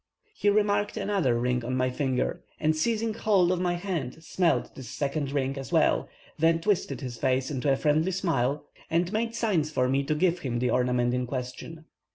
He remarked another ring on my finger, and seizing hold of my hand, smelt this second ring as well, then twisted his face into a friendly smile, and made signs for me to give him the ornament in question.